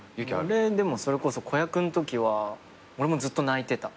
俺でもそれこそ子役んときは俺もずっと泣いてた。